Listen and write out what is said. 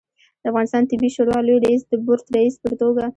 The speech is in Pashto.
د افغانستان طبي شورا لوي رئیس د بورد رئیس په توګه